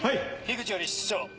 ・口より室長。